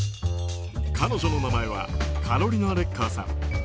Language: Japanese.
彼女の名前はカロリナ・レッカーさん。